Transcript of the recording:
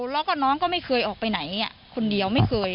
แล้วก็น้องก็ไม่เคยออกไปไหนคนเดียวไม่เคย